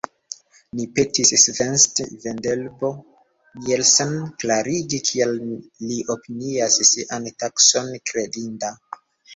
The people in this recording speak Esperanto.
Ni petis Svend Vendelbo Nielsen klarigi, kial li opinias sian takson kredinda.